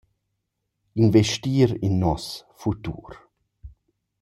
Investir in nos futur.